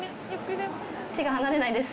手が離れないんです。